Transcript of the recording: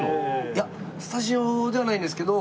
いやスタジオではないんですけど